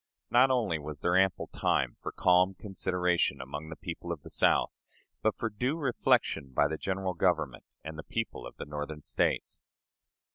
Not only was there ample time for calm consideration among the people of the South, but for due reflection by the General Government and the people of the Northern States.